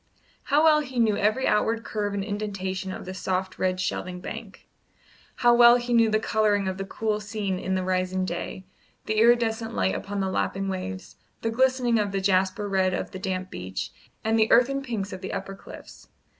How well he knew every outward curve and indentation of the soft red shelving bank! how well he knew the colouring of the cool scene in the rising day, the iridescent light upon the lapping waves, the glistening of the jasper red of the damp beach, and the earthen pinks of the upper cliffs!